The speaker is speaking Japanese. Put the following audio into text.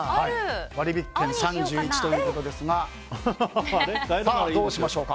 割引券が３１ということですがどうしましょうか。